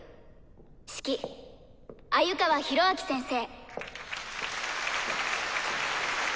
指揮鮎川広明先生。